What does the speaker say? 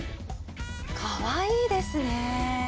かわいいですね。